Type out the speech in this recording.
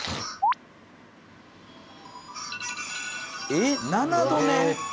えっ７度寝！？